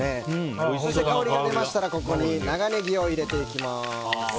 炒まりましたら、ここに長ネギを入れていきます。